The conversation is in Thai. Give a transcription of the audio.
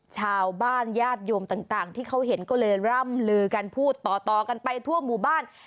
ชาวบ้านญาติโยมต่างที่เขาเห็นก็เลยร่ำลือกันพูดต่อกันไปทั่วหมู่บ้าน